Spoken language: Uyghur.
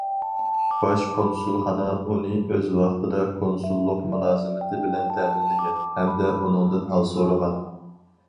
باش كونسۇلخانا ئۇنى ئۆز ۋاقتىدا كونسۇللۇق مۇلازىمىتى بىلەن تەمىنلىگەن، ھەمدە ئۇنىڭدىن ھال سورىغان.